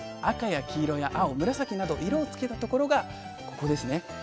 赤や黄色や青紫など色をつけたところがここですね